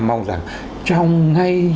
mong rằng trong ngay